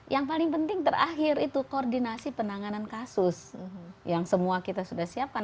yang paling penting terakhir itu koordinasi penanganan kasus yang semua kita sudah siapkan